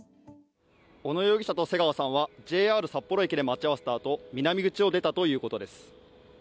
小野容疑者と瀬川さんはＪＲ札幌駅で待ち合わせたあと南口を出たということです。